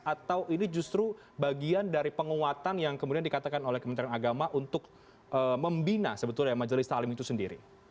atau ini justru bagian dari penguatan yang kemudian dikatakan oleh kementerian agama untuk membina sebetulnya majelis taklim itu sendiri